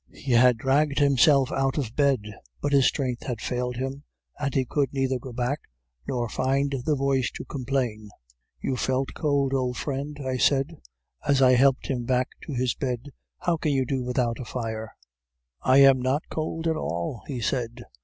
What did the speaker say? He had dragged himself out of bed, but his strength had failed him, and he could neither go back nor find the voice to complain. "'You felt cold, old friend,' I said, as I helped him back to his bed; 'how can you do without a fire?' "'I am not cold at all,' he said.